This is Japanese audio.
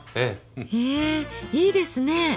へえいいですね。